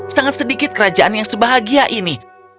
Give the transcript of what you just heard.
sangat sedikit kerajaan yang sebahagia ini